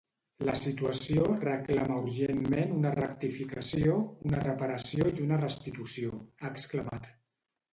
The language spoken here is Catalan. La situació reclama urgentment una rectificació, una reparació i una restitució, ha exclamat.